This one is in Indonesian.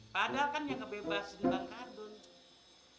padahal kan yang ngebebasin bang kadun